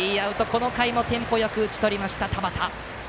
この回もテンポよく打ち取った田端。